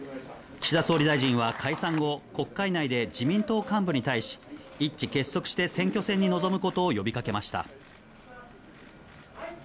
岸田総理大臣は解散後、国会内で自民党幹部に対し、一致結束して選挙戦に臨むことを呼びかけました。